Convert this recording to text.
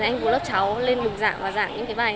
nên anh của lớp cháu lên đường giảng và giảng những cái bài